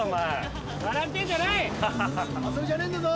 遊びじゃねえんだぞ！